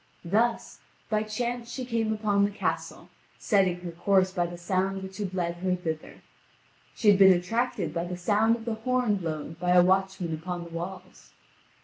Thus, by chance she came upon the castle, setting her course by the sound which had led her thither. She had been attracted by the sound of the horn blown by a watchman upon the walls.